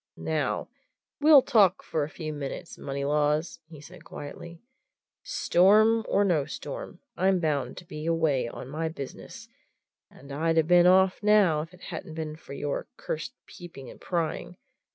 "Now, we'll talk for a few minutes, Moneylaws," he said quietly, "Storm or no storm, I'm bound to be away on my business, and I'd have been off now if it hadn't been for your cursed peeping and prying.